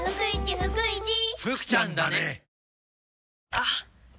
あっ！